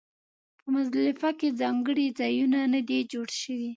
په مزدلفه کې ځانګړي ځایونه نه دي جوړ شوي.